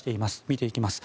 見ていきます。